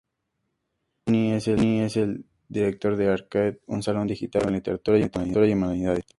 Greene es el director de Arcade, un salón digital relacionado a Literatura y Humanidades.